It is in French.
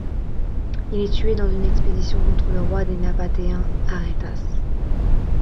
Il est tué dans une expédition contre le roi des Nabatéens, Arétas.